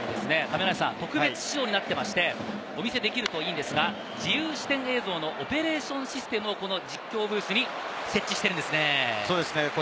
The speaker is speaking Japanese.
ナイターということで、かめなシートで亀梨さん、特別仕様になってまして、お見せできるといいんですが、自由視点映像のオペレーションシステムをこの実況ブースに設置しているんですね。